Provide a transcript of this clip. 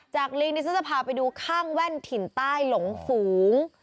จากลิงนี้ซึ่งจะพาไปดูข้างแว่นถิ่นใต้หลงฝูง